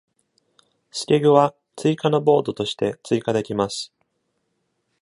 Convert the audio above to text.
スケグは追加のボードとして追加できます。